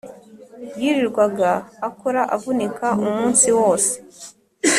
yirirwaga akora avunika umunsi wose,